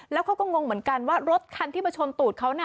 แล้วเขาก็งงเหมือนกันว่ารถคันที่มาชนตูดเขาน่ะ